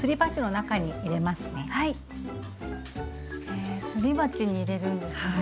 へえすり鉢に入れるんですね。